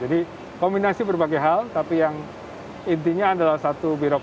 jadi kombinasi berbagai hal tapi yang intinya adalah satu birokrasi